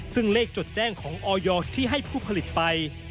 ซึ่งเลขจดแจ้งของออยที่ให้ผู้ผลิตไป